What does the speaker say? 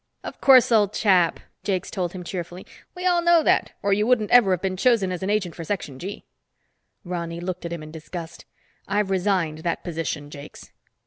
"Of course, old chap," Jakes told him cheerfully. "We know all that, or you wouldn't ever have been chosen as an agent for Section G." Ronny looked at him in disgust. "I've resigned that position, Jakes."